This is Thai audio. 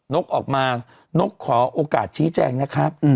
กออกมานกขอโอกาสชี้แจงนะครับ